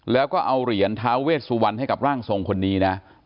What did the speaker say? แล้วเอาเหรียญทาเวทสวรรค์ให้ร่างทรงคนนี้